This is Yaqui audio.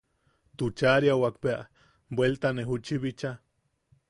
Tuchaariawak bea bueltane juchi bicha.